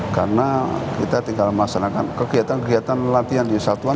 karena kita tinggal melaksanakan kegiatan kegiatan latihan di satuan